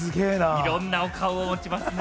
いろんな顔をお持ちですね。